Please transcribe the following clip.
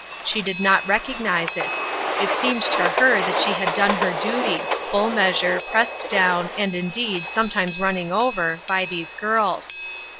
She did not recognize it ; it seemed to her that she had done her duty — full measure, pressed down, and, indeed, sometimes running over — by these girls.